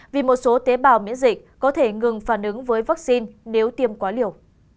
vì một số tế bào miễn dịch có thể ngừng phản ứng với vaccine nếu tiêm quá liều